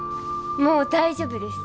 もう大丈夫です。